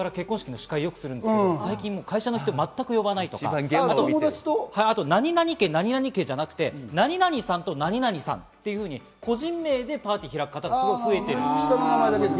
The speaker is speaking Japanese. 私、職業柄結婚式の司会するんですけど、最近、会社の人を全く呼ばないとか、あと、何々家、何々家じゃなくて、何々さんと何々さんというふうに個人名でパーティーを開く方が増えています。